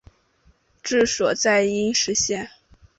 治所在阴石县。